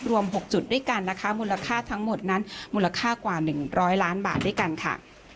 รวม๖จุดด้วยกันนะคะมูลค่าทั้งหมดนั้นมูลค่ากว่า๑๐๐ล้านบาทด้วยกันค่ะ